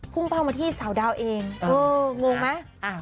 พุ่งเฝ้ามาที่เสาดาวเองโอ้โหงงไหม